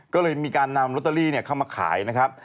ก็เลยมีการนำลอตเตอรี่เข้ามาขายนะครับ